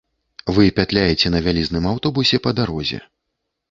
Вы пятляеце на вялізным аўтобусе па дарозе.